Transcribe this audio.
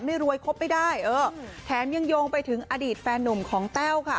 รวยครบไม่ได้เออแถมยังโยงไปถึงอดีตแฟนนุ่มของแต้วค่ะ